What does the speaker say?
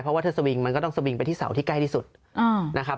เพราะว่าถ้าสวิงมันก็ต้องสวิงไปที่เสาที่ใกล้ที่สุดนะครับ